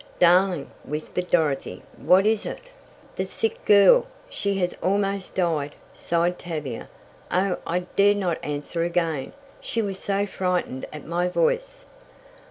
"Darling!" whispered Dorothy. "What is it?" "The sick girl! She has almost died!" sighed Tavia. "Oh, I dared not answer again. She was so frightened at my voice!"